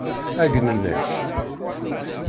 Ɛeyynen-ak.